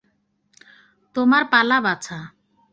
তোমার পালা, বাছা।